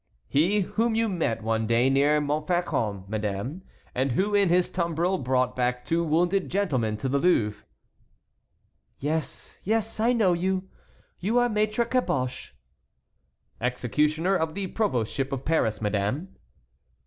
"He whom you met one day near Montfaucon, madame, and who in his tumbril brought back two wounded gentlemen to the Louvre." "Yes, yes, I know you. You are Maître Caboche." "Executioner of the provostship of Paris, madame."